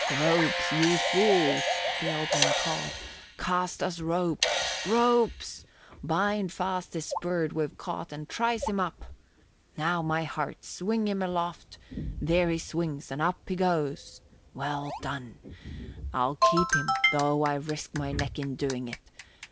"Ropes, you fools!" the Old One called. "Cast us ropes! Ropes! Bind fast this bird we've caught and trice him up! Now, my hearts, swing him aloft there he swings and up he goes! Well done! I'll keep him though I risk my neck in doing it.